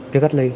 cho cách ly